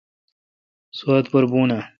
سوات پر بون آں؟